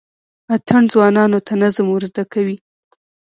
اتڼ ځوانانو ته نظم ور زده کوي.